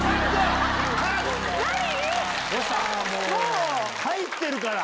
もう入ってるから。